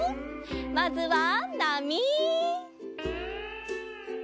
まずはなみ。